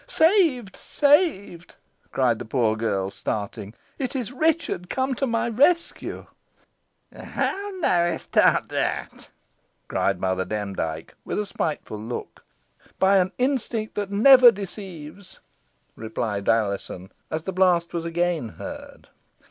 "Saved! saved!" cried the poor girl, starting. "It is Richard come to my rescue!" "How know'st thou that?" cried Mother Demdike, with a spiteful look. "By an instinct that never deceives," replied Alizon, as the blast was again heard.